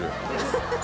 ハハハ。